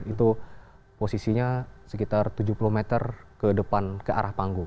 itu posisinya sekitar tujuh puluh meter ke depan ke arah panggung